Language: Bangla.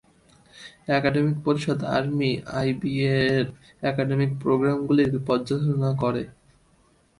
একাডেমিক পরিষদ আর্মি আইবিএ-এর একাডেমিক প্রোগ্রামগুলির পর্যালোচনা করে।